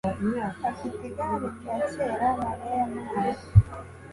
afite igare rya kera Mariya yamuhaye.